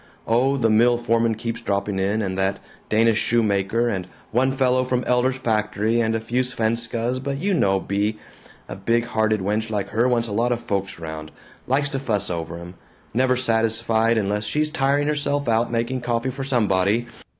Oh, the mill foreman keeps dropping in, and that Danish shoemaker, and one fellow from Elder's factory, and a few Svenskas, but you know Bea: big good hearted wench like her wants a lot of folks around likes to fuss over 'em never satisfied unless she tiring herself out making coffee for somebody.